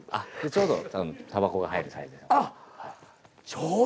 ちょうどたばこが入るサイズで。